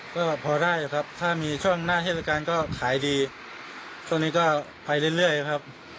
พันกว่าบาทสองพันนี่แหละครับแล้วถ้าเป็นช่วงท่องเที่ยวหรือครับ